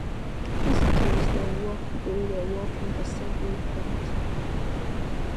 Visitors then walk through the working assembly plant.